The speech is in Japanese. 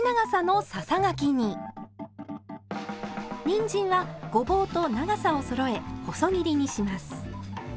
にんじんはごぼうと長さをそろえ細切りにします。